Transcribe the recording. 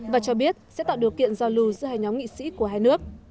và cho biết sẽ tạo điều kiện giao lưu giữa hai nhóm nghị sĩ của hai nước